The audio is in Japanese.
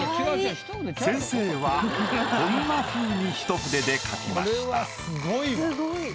先生はこんなふうに一筆で描きました。